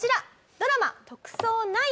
ドラマ『特捜９』。